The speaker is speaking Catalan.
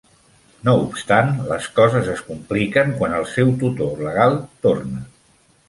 No obstant, les coses es compliquen quan el seu tutor legal torna.